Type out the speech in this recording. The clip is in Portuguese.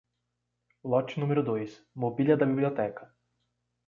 Lote número dois: mobília da biblioteca.